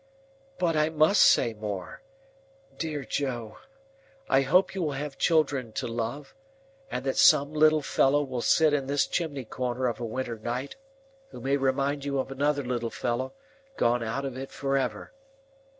"But I must say more. Dear Joe, I hope you will have children to love, and that some little fellow will sit in this chimney corner of a winter night, who may remind you of another little fellow gone out of it for ever.